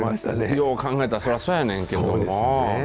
よう考えたらそらそうやねんけども。